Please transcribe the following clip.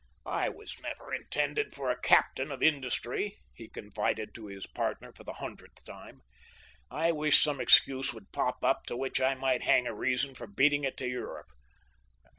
"I was never intended for a captain of industry," he confided to his partner for the hundredth time. "I wish some excuse would pop up to which I might hang a reason for beating it to Europe.